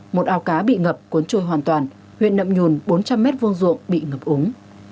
một ao cá bị ngập cuốn trôi hoàn toàn huyện nậm nhùn bốn trăm linh m hai ruộng bị ngập úng